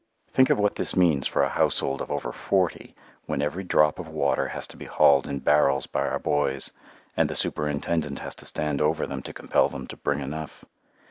Think of what this means for a household of over forty when every drop of water has to be hauled in barrels by our boys, and the superintendent has to stand over them to compel them to bring enough.